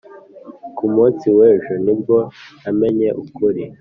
ku munsi w'ejo ni bwo namenye ukuri.